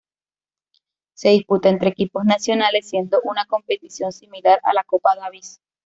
Se disputa entre equipos nacionales, siendo una competición similar a la Copa Davis.